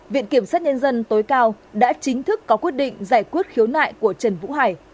viện kiểm sát nhân dân tối cao đã chính thức có quyết định giải quyết khiếu nại của trần vũ hải